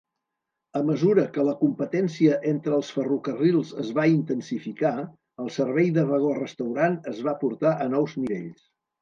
A mesura que la competència entre els ferrocarrils es va intensificar, el servei de vagó restaurant es va portar a nous nivells.